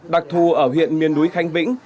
đặc thù ở huyện miền núi khánh vĩnh